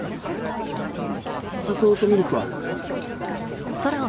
お砂糖とミルクは？